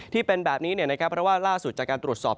ที่เป็นแบบนี้เพราะว่าล่าสุดจากการตรวจสอบ